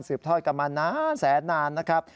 สืบถอยกับมันนานแสนนานนะครับ